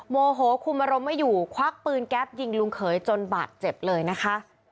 โมโหคุมอารมณ์ไม่อยู่ควักปืนแก๊ปยิงลุงเขยจนบาดเจ็บเลยนะคะ